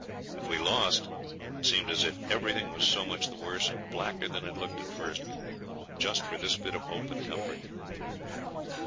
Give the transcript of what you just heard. If we lost it seemed as if everything was so much the worse, and blacker than it looked at first, just for this bit of hope and comfort.